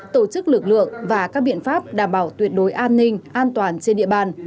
tổ chức lực lượng và các biện pháp đảm bảo tuyệt đối an ninh an toàn trên địa bàn